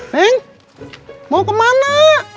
neng mau kemana